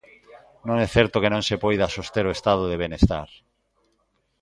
Non é certo que non se poida soster o Estado de benestar.